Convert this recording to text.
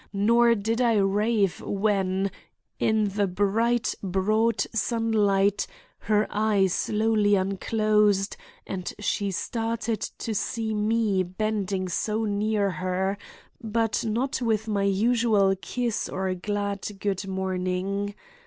Nor did I rave when, in the bright, broad sunlight, her eye slowly unclosed and she started to see me bending so near her, but not with my usual kiss or glad good morning.